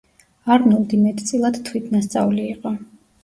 არნოლდი მეტწილად თვითნასწავლი იყო.